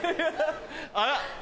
あら！